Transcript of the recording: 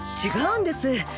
違うんです。